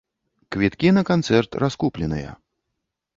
Квіткі на канцэрт раскупленыя.